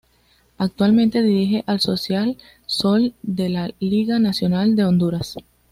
Actualmente dirige al Social Sol de la Liga Nacional de Honduras.